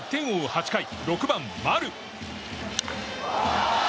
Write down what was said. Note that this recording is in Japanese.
８回６番、丸。